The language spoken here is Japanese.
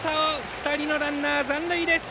２人のランナー、残塁です。